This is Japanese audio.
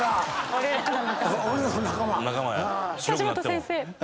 梶本先生。